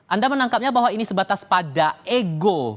anda menangkapnya bahwa ini sebatas pada ego